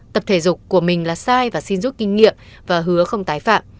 tập thể dục của mình là sai và xin rút kinh nghiệm và hứa không tái phạm